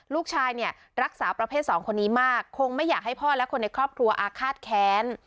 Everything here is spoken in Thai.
ลูกชายเนี่ยรักษาประเภทสองคนนี้มากคงไม่อยากให้พ่อและคนในครอบครัวอาฆาตแค้น